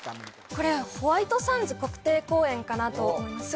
これはホワイトサンズ国定公園かなと思います